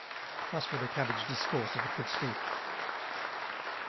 Thus would a Cabbage discourse, if it could speak.